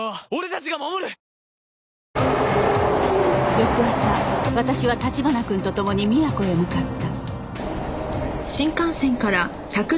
翌朝私は立花君とともに宮古へ向かった